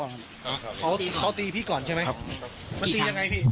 มันมีเห็นรถตู้ที่วิ่งมาไหมค่ะพี่